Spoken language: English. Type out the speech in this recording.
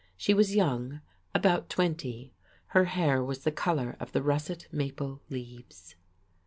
She was young, about twenty. Her hair was the colour of the russet maple leaves.